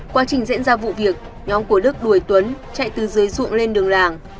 quá trình diễn ra vụ việc nhóm của đức đuổi tuấn chạy từ dưới ruộng lên đường làng